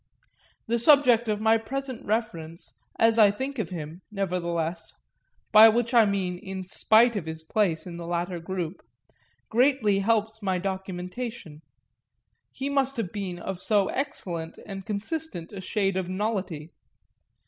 The subject of my present reference, as I think of him, nevertheless by which I mean in spite of his place in the latter group greatly helps my documentation; he must have been of so excellent and consistent a shade of nullity.